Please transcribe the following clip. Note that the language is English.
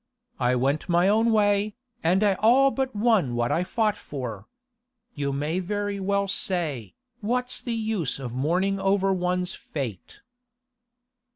I went my own way, and I all but won what I fought for. You may very well say, what's the use of mourning over one's fate?